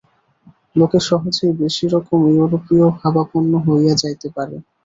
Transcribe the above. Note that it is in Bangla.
লোকে সহজেই বেশী রকম ইউরোপীয়-ভাবাপন্ন হইয়া যাইতে পারে।